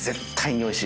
おいしい！